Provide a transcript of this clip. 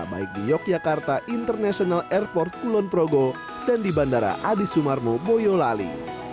baik di yogyakarta international airport kulon progo dan di bandara adi sumarmo boyolali